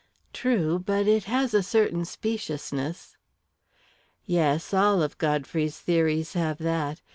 "True but it has a certain speciousness." "Yes all of Godfrey's theories have that.